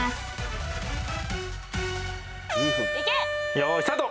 よーいスタート！